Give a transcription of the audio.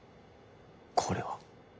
これは。